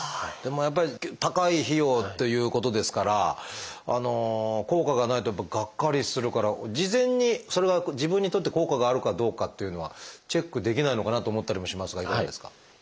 でもやっぱり高い費用ということですから効果がないとやっぱりがっかりするから事前にそれは自分にとって効果があるかどうかっていうのはチェックできないのかなと思ったりもしますがいかがですか？